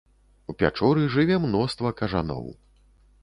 У пячоры жыве мноства кажаноў.